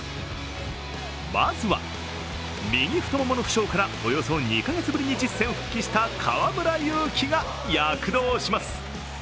まずは、右太ももの負傷からおよそ２か月ぶりに実戦復帰した河村勇輝が躍動します。